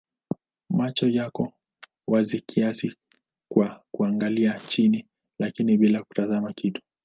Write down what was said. Macho yako wazi kiasi kwa kuangalia chini lakini bila kutazama kitu.